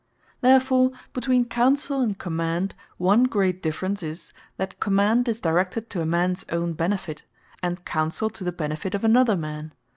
Therefore between Counsell and Command, one great difference is, that Command is directed to a mans own benefit; and Counsell to the benefit of another man.